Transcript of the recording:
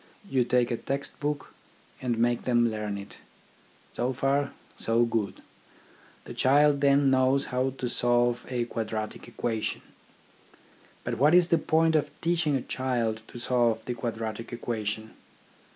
You take a text book and make them learn it. So far, so good. The child 12 THE ORGANISATION OF THOUGHT then knows how to solve a quadratic equation. But what is the point of teaching a child to solve a quadratic equation